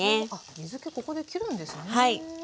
水けここできるんですね。